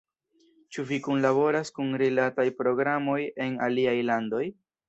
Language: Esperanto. Ĉu vi kunlaboras kun rilataj programoj en aliaj landoj?